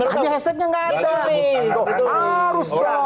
harus dong biar fair